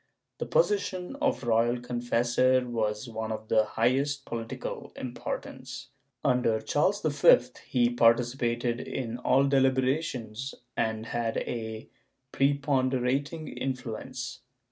^ The position of royal confessor was one of the highest political importance. Under Charles V he participated in all deliberations and had a prepon derating influence.